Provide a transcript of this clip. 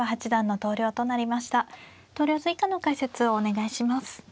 投了図以下の解説をお願いします。